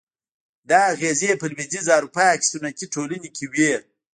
دا اغېزې په لوېدیځه اروپا کې صنعتي ټولنې کې وې.